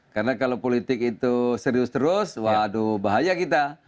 karena kalau politik itu serius terus waduh bahaya kita